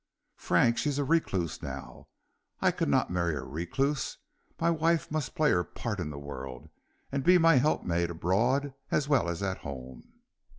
"Frank, she is a recluse now; I could not marry a recluse; my wife must play her part in the world, and be my helpmate abroad as well as at home."